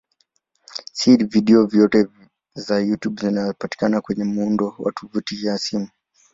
Si video zote za YouTube zinazopatikana kwenye muundo wa tovuti ya simu.